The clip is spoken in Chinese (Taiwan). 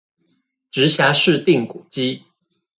直轄市定古蹟